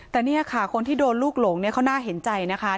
แต่เนี่ยค่ะคนที่โดนลูกหลงเนี่ยเขาน่าเห็นใจนะคะ